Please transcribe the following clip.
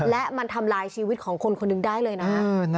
และมันทำลายชีวิตของคนคนหนึ่งได้เลยนะ